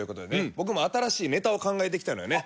僕も新しいネタを考えてきたのよね